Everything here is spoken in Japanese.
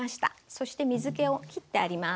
そして水けを切ってあります。